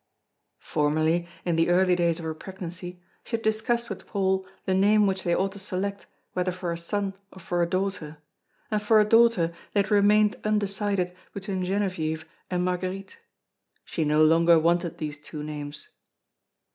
Formerly, in the early days of her pregnancy, she had discussed with Paul the name which they ought to select whether for a son or for a daughter; and for a daughter they had remained undecided between Genevieve and Marguerite. She no longer wanted these two names.